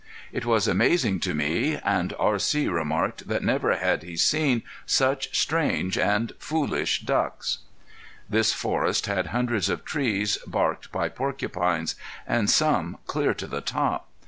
It was amazing to me, and R.C. remarked that never had he seen such strange and foolish ducks. This forest had hundreds of trees barked by porcupines, and some clear to the top.